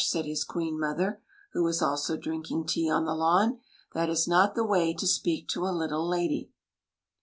" said his Queen mother, who was also drinking tea on the lawn. " That is not the way to speak to a little lady."